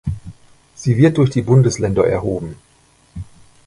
Sie wird durch die Bundesländer erhoben.